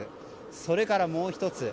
それから、もう１つ。